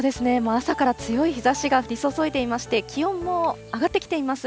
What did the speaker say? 朝から強い日ざしが降り注いでいまして、気温も上がってきています。